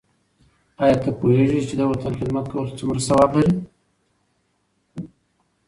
آیا ته پوهېږې چې د وطن خدمت کول څومره ثواب لري؟